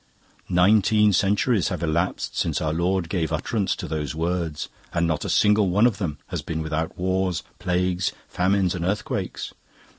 "Nineteen centuries have elapsed since Our Lord gave utterance to those words, and not a single one of them has been without wars, plagues, famines, and earthquakes.